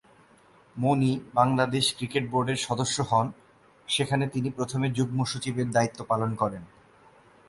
মনি Bangladesh cricket বোর্ডের সদস্য হন, সেখানে তিনি প্রথমে যুগ্ম-সচিবের দায়িত্ব পালন করেন।